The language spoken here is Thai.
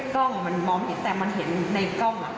กลองมองสิแต่มันก็เห็นในกลง